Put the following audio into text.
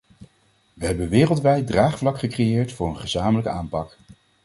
We hebben wereldwijd draagvlak gecreëerd voor een gezamenlijke aanpak.